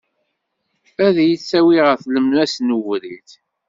Ad iyi-tawi ɣer tlemmast n ubrid.